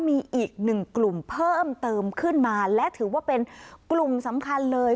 มีอีกหนึ่งกลุ่มเพิ่มเติมขึ้นมาและถือว่าเป็นกลุ่มสำคัญเลย